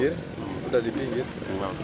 di pinggir udah di pinggir